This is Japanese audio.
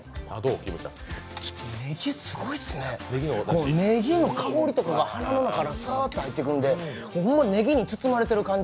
ねぎ、すごいっすね、ねぎの香りとかが鼻の中からさーっと入ってくるのでほんま、ねぎに包まれている感じ。